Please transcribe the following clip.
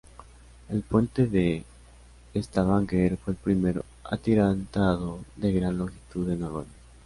El puente de Stavanger fue el primero atirantado de gran longitud de Noruega.